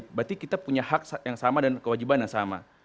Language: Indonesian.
berarti kita punya hak yang sama dan kewajiban yang sama